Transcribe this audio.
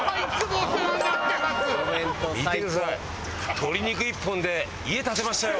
鶏肉一本で家建てましたよ。